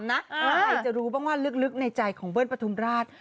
ใครจะรู้บ้างว่าลึกในใจของเบิ้ลปฐุมราช